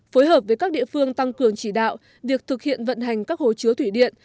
phối hợp với các địa phương tăng cường chỉ đạo việc thực hiện vận hành các hồ chứa thủy điện